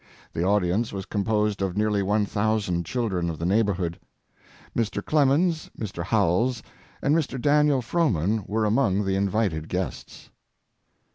The audience was composed of nearly one thousand children of the neighborhood. Mr. Clemens, Mr. Howells, and Mr. Daniel Frohman were among the invited guests.